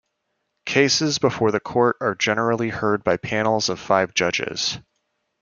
Cases before the court are generally heard by panels of five judges.